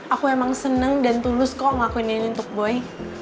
aku emang seneng dan tulus kok ngelakuinnya ini untuk boy